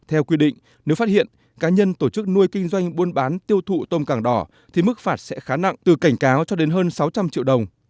theo quy định nếu phát hiện cá nhân tổ chức nuôi kinh doanh buôn bán tiêu thụ tôm càng đỏ thì mức phạt sẽ khá nặng từ cảnh cáo cho đến hơn sáu trăm linh triệu đồng